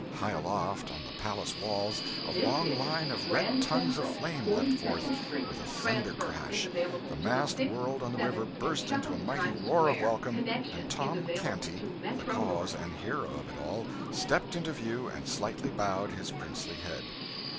High aloft on the palace walls a long line of red tongues of flame leapt forth with a thunder crash; the massed world on the river burst into a mighty roar of welcome; and Tom Canty, the cause and hero of it all, stepped into view and slightly bowed his princely head.